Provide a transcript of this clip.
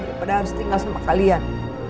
daripada harus tinggal sama kalian